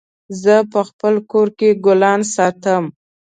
زه په خپل کور کي ګلان ساتم